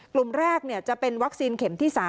กลุ่มแรกจะเป็นวัคซีนเข็มที่๓